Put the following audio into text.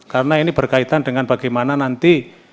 karena ini berkaitan dengan bagaimana nanti